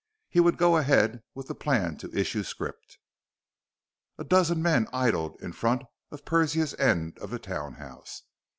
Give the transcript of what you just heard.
He would go ahead with the plan to issue scrip.... A dozen men idled in front of Persia's end of the townhouse.